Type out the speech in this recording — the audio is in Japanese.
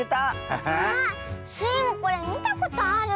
あスイもこれみたことある。